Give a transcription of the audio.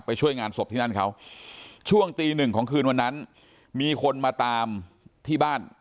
ช่วยงานศพที่นั่นเขาช่วงตีหนึ่งของคืนวันนั้นมีคนมาตามที่บ้าน